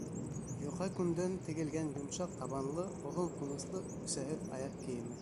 Йоҡа күндән тегелгән йомшаҡ табанлы, оҙон ҡуныслы үксәһеҙ аяҡ кейеме.